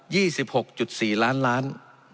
ี่สิบหกจุดสี่ล้านล้าน